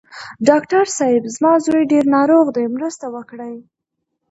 ډاکټر صېب! زما زوی ډېر ناروغ دی، مرسته وکړئ.